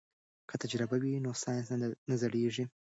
که تجربه وي نو ساینس نه زړیږي.